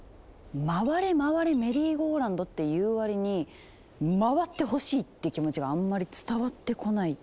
「回れ回れメリーゴーラウンド」って言うわりに「回ってほしい」って気持ちがあんまり伝わってこないというか。